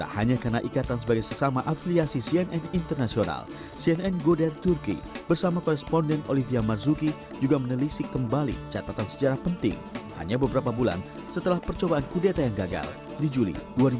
hanya karena ikatan sebagai sesama afiliasi cnn internasional cnn goder turki bersama koresponden olivia marzuki juga menelisik kembali catatan sejarah penting hanya beberapa bulan setelah percobaan kudeta yang gagal di juli dua ribu dua puluh